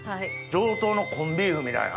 上等のコンビーフみたいな。